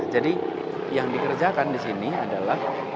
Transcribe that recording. jadi yang dikerjakan di sini adalah